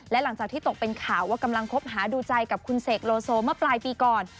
และหลังจากที่ตกเป็นข่าวว่ากำลังคบหาดูใจกับคุณเสกโลโซเมื่อปลายปีก่อน